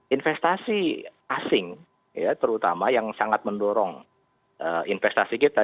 investasi asing ya terutama yang sangat mendorong investasi kita